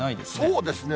そうですね。